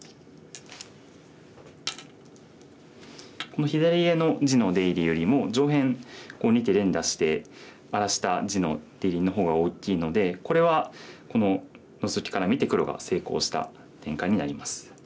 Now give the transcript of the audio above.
この左上の地の出入りよりも上辺２手連打して荒らした地の出入りの方が大きいのでこれはこのノゾキから見て黒が成功した展開になります。